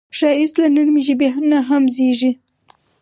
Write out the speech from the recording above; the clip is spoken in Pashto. ښایست له نرمې ژبې نه هم زېږي